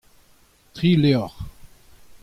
tri levr.